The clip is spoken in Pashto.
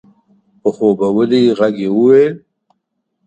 په خوبولي غږ يې وويل؛